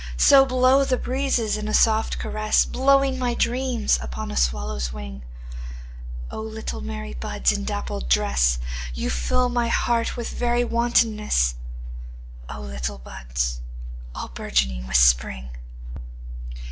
So blow the breezes in a soft caress, Blowing my dreams upon a swallow's wing;O little merry buds in dappled dress, You fill my heart with very wantonness—O little buds all bourgeoning with Spring!